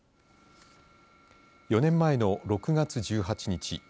４年前の６月１８日